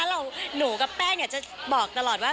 แล้วหนูกับแป้งจะบอกตลอดว่า